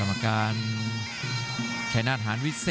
รับทราบบรรดาศักดิ์